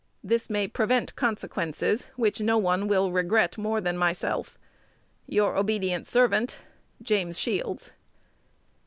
This may prevent consequences which no one will regret more than myself. Your ob't serv't, [Copy.] Jas. Shields.